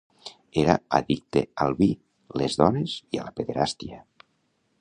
Era addicte al vi, les dones i a la pederàstia.